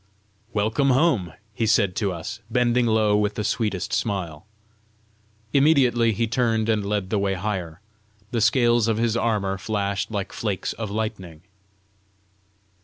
"Welcome home!" he said to us, bending low with the sweetest smile. Immediately he turned and led the way higher. The scales of his armour flashed like flakes of lightning.